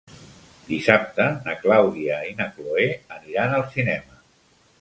Dissabte na Clàudia i na Cloè aniran al cinema.